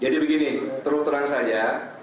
jadi begini teruk terang saja